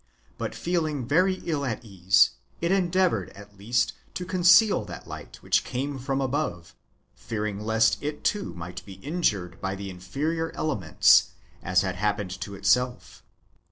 But feeling very ill at ease, it endeavoured at least to conceal that light which came from above, fearing lest it too might be injured by the inferior elements, as had happened to itself.